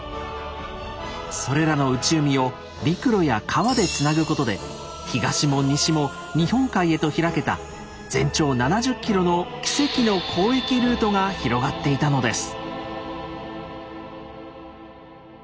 それらの内海を陸路や川でつなぐことで東も西も日本海へと開けた全長７０ｋｍの「奇跡の交易ルート」が広がっていたのです。